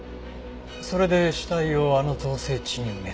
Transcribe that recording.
それで死体をあの造成地に埋めた。